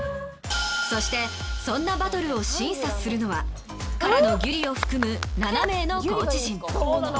そしてそんなバトルを審査するのはＫＡＲＡのギュリを含む７名のコーチ陣。